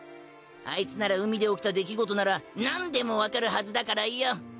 あいつなら海で起きた出来事ならなんでも分かるはずだからよ。